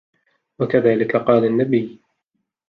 وَكَذَلِكَ قَالَ النَّبِيُّ